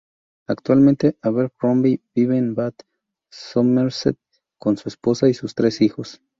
Actualmente Abercrombie vive en Bath, Somerset con su esposa y sus tres hijos.